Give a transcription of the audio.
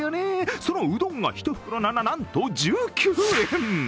そのうどんが１袋、な、な、なんと１９円。